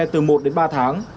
từ một đến ba tháng